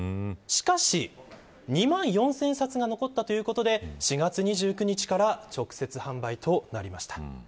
しかし、２万４０００冊が残ったということで４月２９日から直接販売となりました。